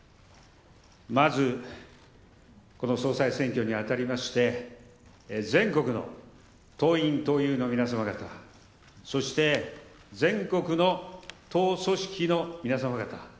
まず、この総裁選挙にあたりまして全国の党員・党友の皆様方そして、全国の党組織の皆様方。